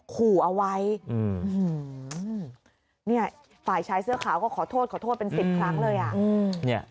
ขู่เอาไว้ฝ่ายใช้เสื้อขาวก็ขอโทษขอโทษเป็นสิบครั้งเลยอะ